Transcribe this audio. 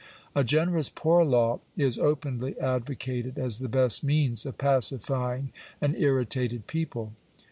" A generous poor law " is openly advocated as the best means of pacifying an irritated people.